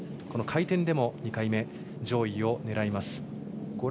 この回転でも２回目、上位を狙います。